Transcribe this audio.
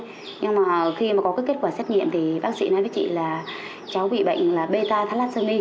nhưng mà khi mà có cái kết quả xét nghiệm thì bác sĩ nói với chị là cháu bị bệnh là beta thalassomy